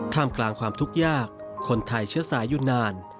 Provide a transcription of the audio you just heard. มกลางความทุกข์ยากคนไทยเชื้อสายอยู่นาน